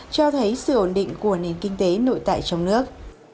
cho thấy sự ổn định của nền kinh tế nội tại trong nước